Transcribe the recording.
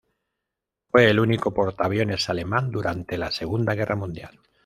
Fue el único portaaviones alemán durante la Segunda Guerra Mundial.